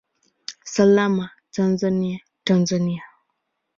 Salama Tanzania, Tanzania!